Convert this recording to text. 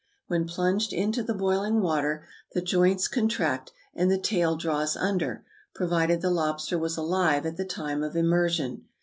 When plunged into the boiling water, the joints contract, and the tail draws under, provided the lobster was alive at the time of immersion.